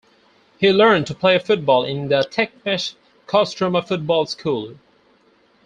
He learned to play football in the Tekmash Kostroma football school.